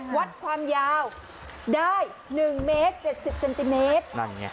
ครับความยาวได้หนึ่งเมตรเจ็ดสิบเซ็นติเมตรนั่นเนี้ย